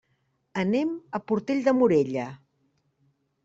Anem a Portell de Morella.